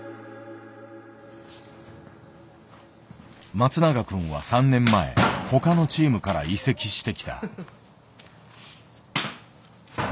松永くんは３年前他のチームから移籍してきた。